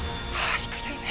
低いですね。